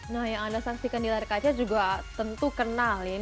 nah yang anda saksikan di layar kaca juga tentu kenal ini